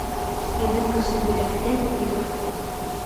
Ирҙең көсө беләктә лә, йөрәктә.